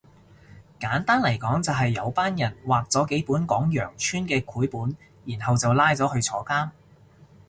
簡單嚟講就係有班人畫咗幾本講羊村嘅繪本然後就拉咗去坐監